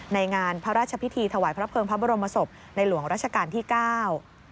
ในงานพระราชพิธีถวายพระเภิงพระบรมศพในหลวงราชการที่เก้า